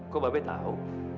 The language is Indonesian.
kok bapak tahu